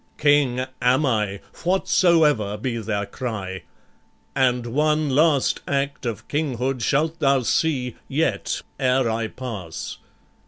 King am I, whatsoever be their cry; And one last act of kinghood shalt thou see Yet, ere I pass."